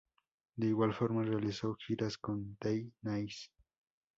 De igual forma, realizó giras con The Nice.